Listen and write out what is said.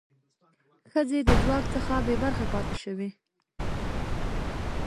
ښځې د ځواک څخه بې برخې پاتې شوې.